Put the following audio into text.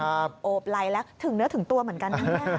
อะไรละถึงเนื้อถึงตัวเหมือนกัน